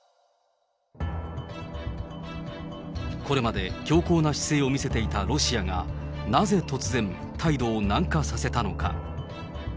これまで強硬な姿勢を見せていたロシアが、なぜ突然、態度を軟化させたのか。